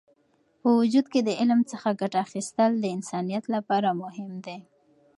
په وجود کې د علم څخه ګټه اخیستل د انسانیت لپاره مهم دی.